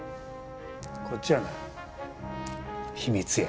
こっちはな秘密や。